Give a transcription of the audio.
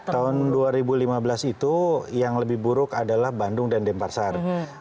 tahun dua ribu lima belas itu yang lebih buruk adalah bandung dan denpasar